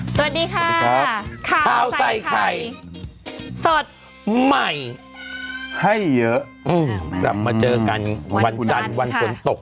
สวัสดีค่ะข้าวใส่ไข่สดใหม่ให้เยอะกลับมาเจอกันวันจันทร์วันฝนตก